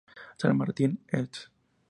San Martín: Est.